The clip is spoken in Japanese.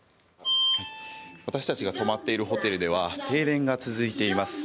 私たちが泊まっているホテルでは停電が続いています。